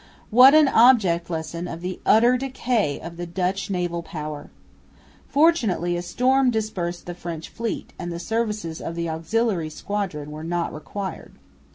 What an object lesson of the utter decay of the Dutch naval power! Fortunately a storm dispersed the French fleet, and the services of the auxiliary squadron were not required.